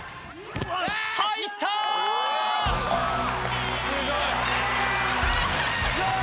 入ったー！